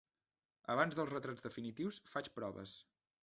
Abans dels retrats definitius faig proves.